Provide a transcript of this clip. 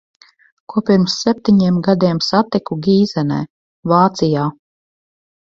Ko pirms septiņiem gadiem satiku Gīzenē, Vācijā.